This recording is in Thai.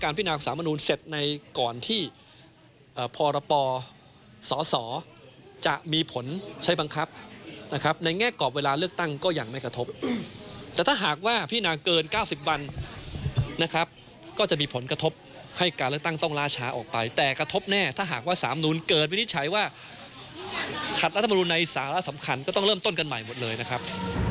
เริ่มต้นกันใหม่หมดเลยนะครับ